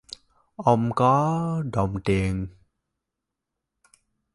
Ông có đồng tiền